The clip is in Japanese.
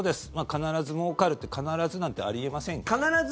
必ずもうかるって必ずなんてあり得ません。